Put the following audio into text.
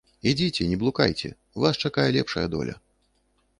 Ідзіце, не блукайце, вас чакае лепшая доля.